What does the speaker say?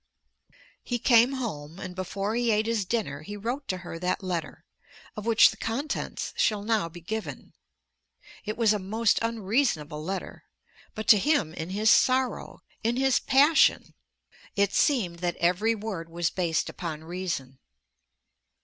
He came home, and before he ate his dinner he wrote to her that letter, of which the contents shall now be given. It was a most unreasonable letter. But to him in his sorrow, in his passion, it seemed that every word was based upon reason.